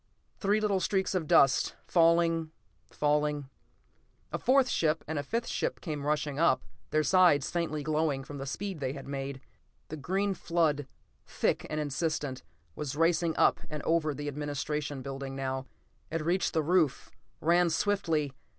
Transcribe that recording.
Three little streaks of dust, falling, falling.... A fourth ship, and a fifth came rushing up, their sides faintly glowing from the speed they had made. The green flood, thick and insistent, was racing up and over the administration building now. It reached the roof, ran swiftly....